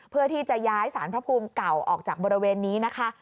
เพื่อที่จะย้ายสารพระภูมิเก่าออกจากบริเวณนี้นะคะ